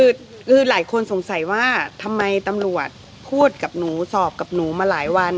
คือหลายคนสงสัยว่าทำไมตำรวจพูดกับหนูสอบกับหนูมาหลายวัน